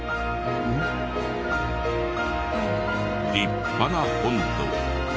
立派な本堂。